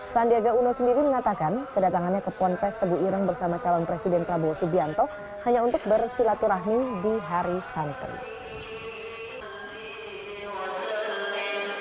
sandiaga uno sendiri mengatakan kedatangannya ke ponpes tebu ireng bersama calon presiden prabowo subianto hanya untuk bersilaturahmi di hari santan